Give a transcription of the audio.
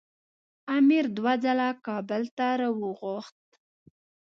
امیر دوه ځله کابل ته راوغوښت.